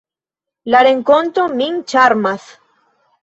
La renkonto min ĉarmas.